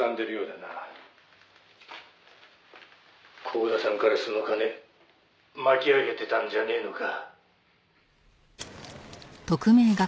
「光田さんからその金巻き上げてたんじゃねえのか？」